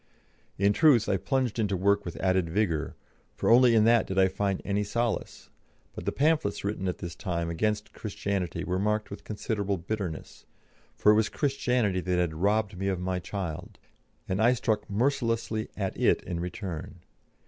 In truth, I plunged into work with added vigour, for only in that did I find any solace, but the pamphlets written at this time against Christianity were marked with considerable bitterness, for it was Christianity that had robbed me of my child, and I struck mercilessly at it in return.